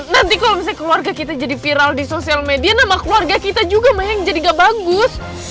nanti kalau misalnya keluarga kita jadi viral di sosial media nama keluarga kita juga maheng jadi gak bagus